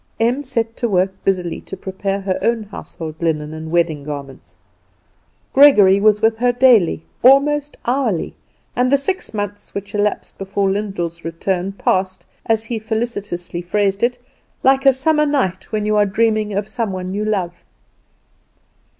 Em set to work busily to prepare her own household linen and wedding garments. Gregory was with her daily, almost hourly, and the six months which elapsed before Lyndall's return passed, as he felicitously phrased it, "like a summer night, when you are dreaming of some one you love."